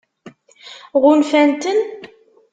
Ɣunfan-ten?